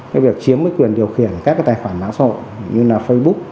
cái việc chiếm quyền điều khiển các tài khoản máu sổ như là facebook